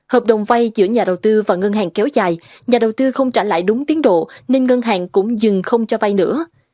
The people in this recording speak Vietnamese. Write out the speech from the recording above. hợp đồng vay giữa nhà đầu tư và ngân hàng kéo dài nhà đầu tư không trả lại đúng tiến độ nên ngân hàng cũng dừng không cho vay nữa